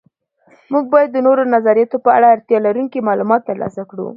موږ باید د نورو نظریاتو په اړه اړتیا لرونکي معلومات تر لاسه کړو.